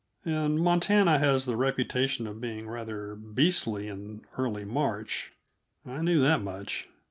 And Montana has the reputation of being rather beastly in early March I knew that much.